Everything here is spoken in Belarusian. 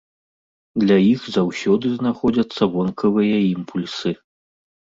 Для іх заўсёды знаходзяцца вонкавыя імпульсы.